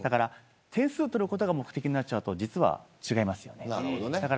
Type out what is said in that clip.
点数を取ることが目的になっちゃうと実は違いますよね。